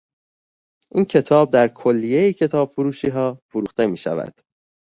این کتاب در کلیهی کتابفروشیها فروخته میشود.